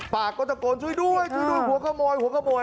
ปากแล้วจุ๊บช่วยด้วยหัวขโมย